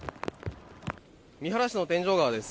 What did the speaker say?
三原市の天井川です。